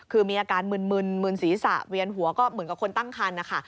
คือมีอาการมึนมึนศีรษะเวียนหัวก็เหมือนกับคนตั้งคันนะคะ